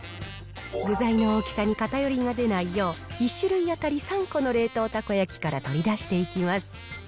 具材の大きさに偏りが出ないよう、１種類当たり３個の冷凍たこ焼きから取り出していきます。